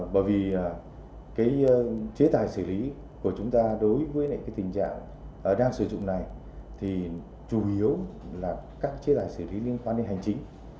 bởi vì cái chế tài xử lý của chúng ta đối với cái tình trạng đang sử dụng này thì chủ yếu là các chế tài xử lý liên quan đến hành chính